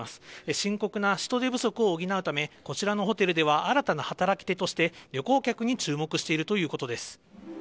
深刻な人手不足を補うため、こちらのホテルでは、新たな働き手として、旅行客に注目しているということです。